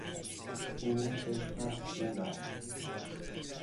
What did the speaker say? او چشمش شور است.